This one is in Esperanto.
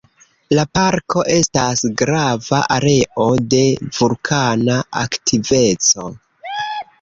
La parko estas grava areo de vulkana aktiveco.